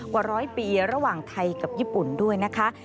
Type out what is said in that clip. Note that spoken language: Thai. กว่าร้อยปีระหว่างไทยกับญี่ปุ่นด้วยนะคะ